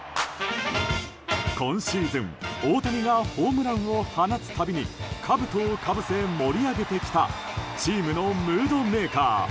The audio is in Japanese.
今シーズン大谷がホームランを放つたびにかぶとをかぶせ、盛り上げてきたチームのムードメーカー